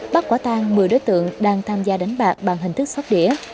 bắt quả tang một mươi đối tượng đang tham gia đánh bạc bằng hình thức xót đĩa